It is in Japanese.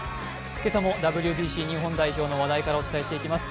今朝もＷＢＣ日本代表の話題からお伝えしていきます。